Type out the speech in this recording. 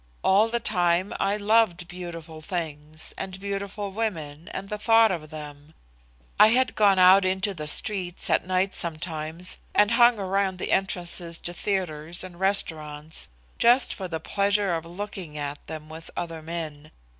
All the time I loved beautiful things, and beautiful women, and the thought of them. I have gone out into the streets at nights sometimes and hung around the entrances to theatres and restaurants just for the pleasure of looking at them with other men.